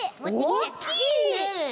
おおきいね。